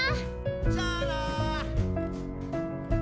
じゃあな。